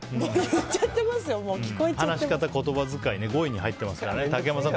話し方・言葉遣い５位に入ってますからね竹山さん